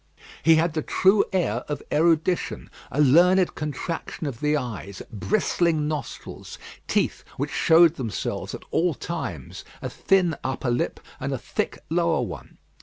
He had the true air of erudition; a learned contraction of the eyes; bristling nostrils; teeth which showed themselves at all times; a thin upper lip and a thick lower one.